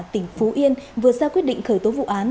tỉnh phú yên vừa ra quyết định khởi tố vụ án